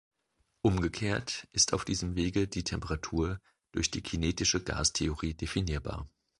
Umgekehrt ist auf diesem Wege die Temperatur durch die kinetische Gastheorie definierbar.